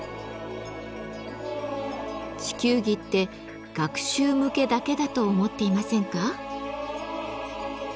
地球儀って学習向けだけだと思っていませんか？